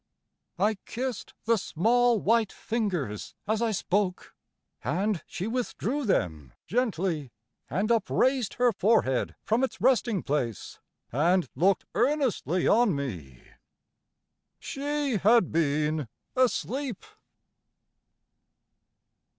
I kissed the small white fingers as I spoke, And she withdrew them gently, and upraised Her forehead from its resting place, and looked Earnestly on me She had been asleep!